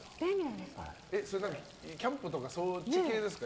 キャンプとかそっち系ですか？